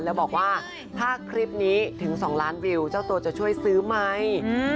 แล้วบอกว่าถ้าคลิปนี้ถึง๒ล้านวิวเจ้าตัวจะช่วยซื้อไหม